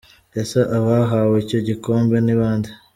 Ese abahawe icyo gikombe ni bande?